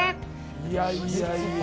いやいやいやいや。